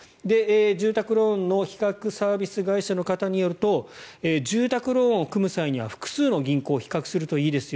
住宅ローンの比較サービス会社の方によると住宅ローンを組む際には複数の銀行を比較するといいですよ。